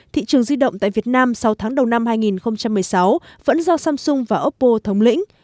thị trường di động tại việt nam sáu tháng đầu năm hai nghìn một mươi sáu vẫn do samsung và oppo thống lĩnh